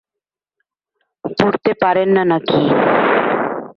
পড়তে পারেন না নাকি?